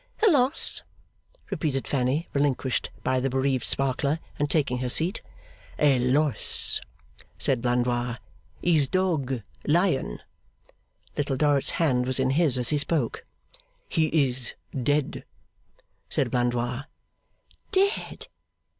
'A loss?' repeated Fanny, relinquished by the bereaved Sparkler, and taking her seat. 'A loss,' said Blandois. 'His dog Lion.' Little Dorrit's hand was in his, as he spoke. 'He is dead,' said Blandois. 'Dead?